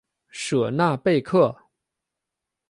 舍纳贝克。